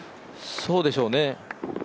そうでしょうね。